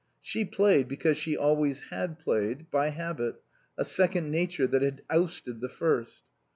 She played because she always had played, by habit, a second nature that had ousted the first.